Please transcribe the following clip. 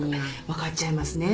分かっちゃいますね。